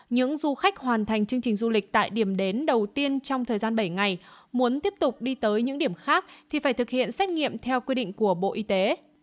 những du khách hoàn thành chương trình du lịch tại điểm đến đầu tiên trong thời gian bảy ngày muốn tiếp tục đi tới những điểm khác thì phải thực hiện xét nghiệm theo quy định của bộ y tế